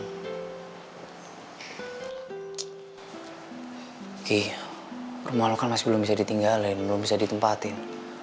ghi rumah lo kan masih belum bisa ditinggalin belum bisa ditempatin